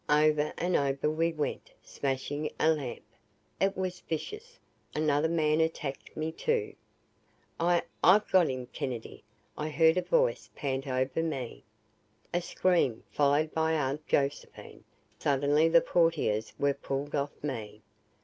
Over and over we went, smashing a lamp. It was vicious. Another man attacked me, too. "I I've got him Kennedy!" I heard a voice pant over me. A scream followed from Aunt Josephine. Suddenly the portieres were pulled off me.